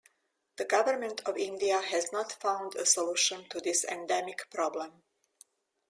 The Government of India has not found a solution to this endemic problem.